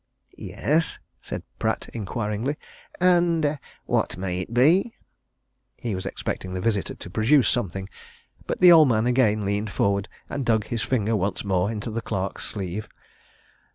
"Yes?" said Pratt inquiringly. "And what may it be?" He was expecting the visitor to produce something, but the old man again leaned forward, and dug his finger once more into the clerk's sleeve.